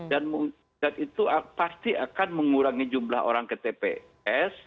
dan itu pasti akan mengurangi jumlah orang ke tps